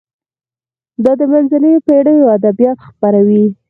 دا د منځنیو پیړیو ادبیات خپروي.